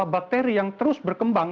bakteri yang terus berkembang